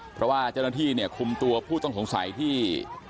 เพราะว่าเจ้าหน้าที่เนี่ยคุมตัวผู้ต้องสงสัยที่